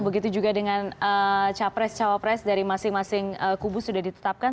begitu juga dengan capres cawapres dari masing masing kubu sudah ditetapkan